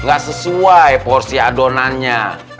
gak sesuai porsi adonannya